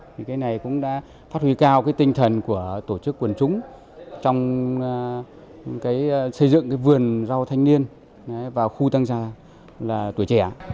thì cái này cũng đã phát huy cao cái tinh thần của tổ chức quần chúng trong cái xây dựng cái vườn rau thanh niên vào khu tăng già là tuổi trẻ